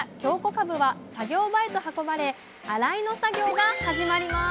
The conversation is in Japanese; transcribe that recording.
かぶは作業場へと運ばれ洗いの作業が始まります